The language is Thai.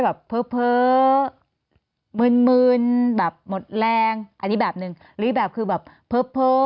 แบบเพ้อมืนมืนแบบหมดแรงอันนี้แบบหนึ่งลีแบบคือแบบเพ้อ